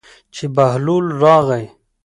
چې بهلول راغی.